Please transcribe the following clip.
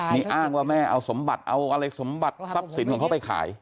นี่อ้างว่าแม่เอาสมบัติเอาอะไรสมบัติทรัพย์สินของเขาไปขาย